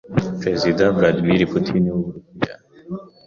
Perezida Vladmir Putin w’Uburusiya